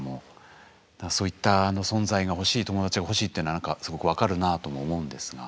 そういった存在が欲しい友達が欲しいっていうのはなんかすごく分かるなとも思うんですが。